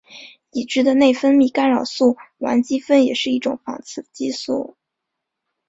已知的内分泌干扰素烷基酚也是一种仿雌激素。